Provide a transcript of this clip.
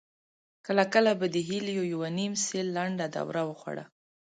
کله کله به د هيليو يوه نيم سېل لنډه دوره وخوړه.